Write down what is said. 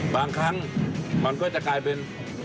บางครั้งมันก็จะกลายเป็น